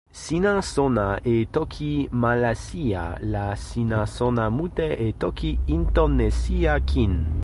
sina sona e toki Malasija la sina sona mute e toki Intonesija kin.